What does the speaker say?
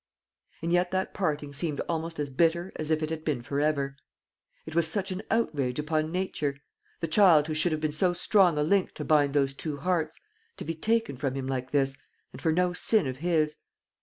And yet that parting seemed almost as bitter as if it had been for ever. It was such an outrage upon nature; the child who should have been so strong a link to bind those two hearts, to be taken from him like this, and for no sin of his.